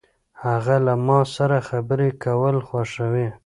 هغه له ما سره خبرې کول خوښوي.